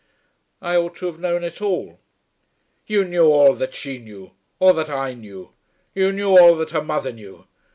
"I ought to have known it all." "You knew all that she knew; all that I knew. You knew all that her mother knew.